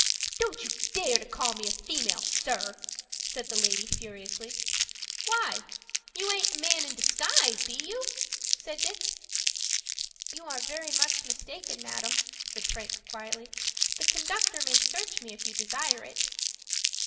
"Don't you dare to call me a female, sir," said the lady, furiously. "Why, you aint a man in disguise, be you?" said Dick. "You are very much mistaken, madam," said Frank, quietly. "The conductor may search me, if you desire it."